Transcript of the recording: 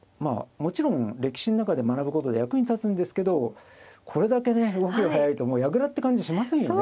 もちろん歴史の中で学ぶことで役に立つんですけどこれだけね動きが速いともう矢倉って感じしませんよね。